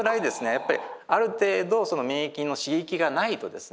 やっぱりある程度免疫の刺激がないとですね